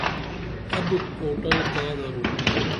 ابُت اوٹل کا درو؟